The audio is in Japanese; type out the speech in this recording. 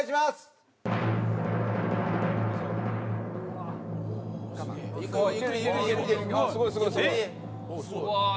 すごい！